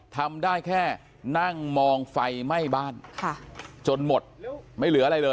ทำได้แค่นั่งมองไฟไหม้บ้านจนหมดไม่เหลืออะไรเลย